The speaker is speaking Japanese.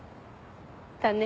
だね。